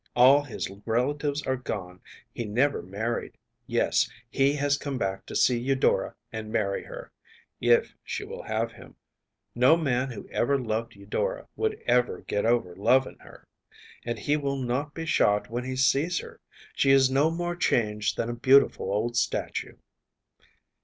All his relatives are gone. He never married. Yes, he has come back to see Eudora and marry her, if she will have him. No man who ever loved Eudora would ever get over loving her. And he will not be shocked when he sees her. She is no more changed than a beautiful old statue.